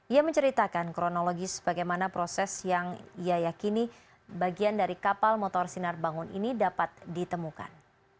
ia menceritakan kronologis bagaimana proses yang ia yakini bagian dari kapal motor sinar bangun ini dapat ditemukan